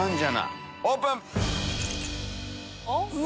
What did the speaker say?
オープン！